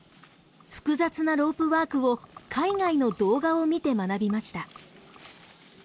複雑なロープワークを海外の動画を見て学びました。